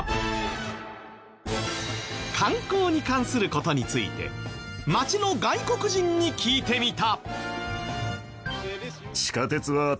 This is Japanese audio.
観光に関する事について街の外国人に聞いてみた。